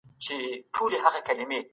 مشرانو به د ملي پروژو د تطبیق غوښتنه کوله.